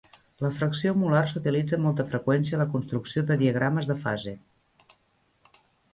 La fracció molar s"utilitza amb molta freqüència a la construcció de diagrames de fase.